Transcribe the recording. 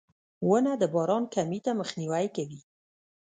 • ونه د باران کمي ته مخنیوی کوي.